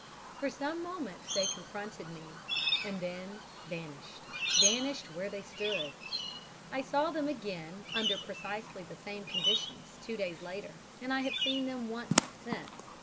For some moments they confronted me, and then vanished, vanished where they stood. I saw them again, under precisely the same conditions, two days later, and I have seen them once since.